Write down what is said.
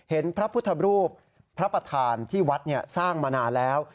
พระพุทธรูปพระประธานที่วัดสร้างมานานแล้ว